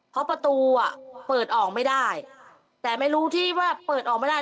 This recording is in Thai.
เพราะประตูอ่ะเปิดออกไม่ได้แต่ไม่รู้ที่ว่าเปิดออกไม่ได้